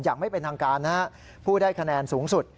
อย่างไม่เป็นทางการนะฮะผู้ได้คะแนนสูงสุด